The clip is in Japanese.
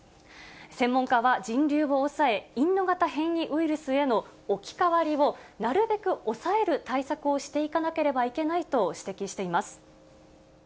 専門家は、人流を抑え、インド型変異ウイルスへの置き換わりをなるべく抑える対策をしていかなければいけないと指摘しています。